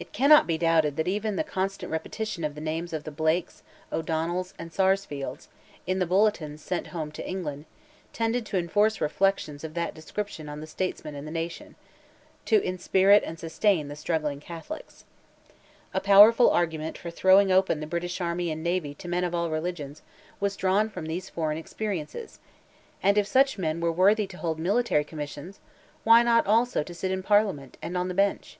It cannot be doubted that even the constant repetition of the names of the Blakes, O'Donnells, and Sarsfields, in the bulletins sent home to England, tended to enforce reflections of that description on the statesmen and the nation, and to inspirit and sustain the struggling Catholics. A powerful argument for throwing open the British army and navy to men of all religions, was drawn from these foreign experiences; and, if such men were worthy to hold military commissions, why not also to sit in Parliament, and on the Bench?